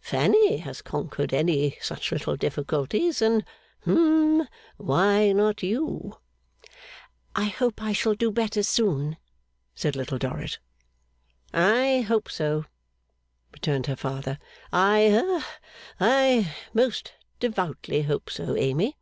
Fanny has conquered any such little difficulties, and hum why not you?' 'I hope I shall do better soon,' said Little Dorrit. 'I hope so,' returned her father. 'I ha I most devoutly hope so, Amy.